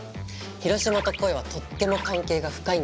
広島と鯉はとっても関係が深いんだよ。